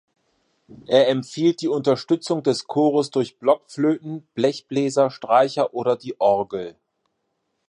Er empfiehlt die Unterstützung des Chores durch Blockflöten, Blechbläser, Streicher oder die Orgel.